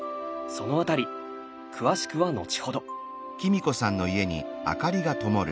その辺り詳しくは後ほど。